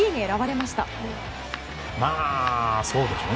まあ、そうでしょうね。